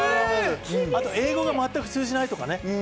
あと英語が全く通じないとかね。